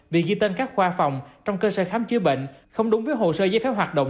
việc ghi tên các khoa phòng trong cơ sở khám chữa bệnh không đúng với hồ sơ giấy phép hoạt động